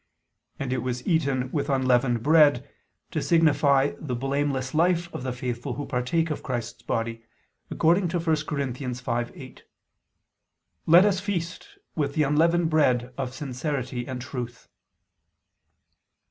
And it was eaten with unleavened bread to signify the blameless life of the faithful who partake of Christ's body, according to 1 Cor. 5:8: "Let us feast ... with the unleavened bread of sincerity and truth."